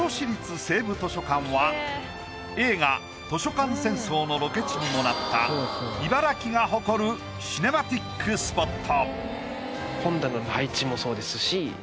映画「図書館戦争」のロケ地にもなった茨城が誇るシネマティックスポット。